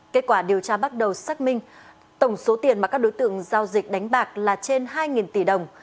kết quả điều tra bắt đầu xác minh tổng số tiền mà các đối tượng giao dịch đánh bạc là trên hai tỷ đồng